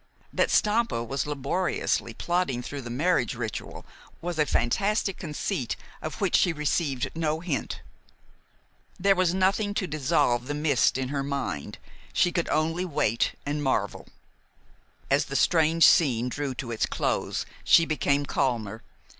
That Stampa was laboriously plodding through the marriage ritual was a fantastic conceit of which she received no hint. There was nothing to dissolve the mist in her mind. She could only wait, and marvel. As the strange scene drew to its close, she became calmer.